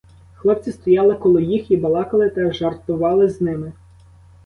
Хлопці стояли коло їх і балакали та жартували з ними.